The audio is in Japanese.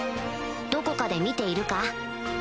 どこかで見ているか？